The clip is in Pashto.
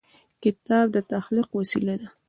کتاب د تخلیق وسیله ده.